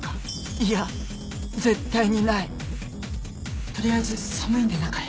いや絶対にない取りあえず寒いんで中へ。